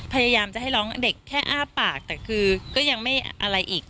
พยายามจะให้ร้องเด็กแค่อ้าปากแต่คือก็ยังไม่อะไรอีก